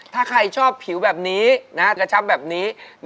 ถ้าใครชอบผิวแบบนี้กระชับแบบนี้